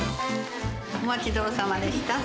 お待ちどおさまでした。